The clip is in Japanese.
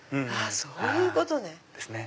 そういうことね。